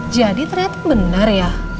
jadi ternyata benar ya